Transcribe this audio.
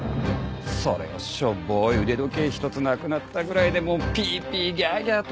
それをショボい腕時計一つなくなったぐらいでもうピーピーギャーギャーと。